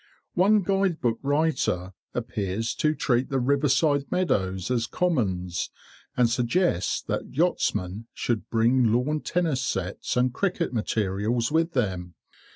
One guide book writer appears to treat the riverside meadows as commons, and suggests that yachtsmen should bring lawn tennis sets and cricket materials with them.